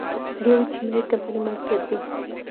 د یوې چینايي کمپنۍ ملکیت دی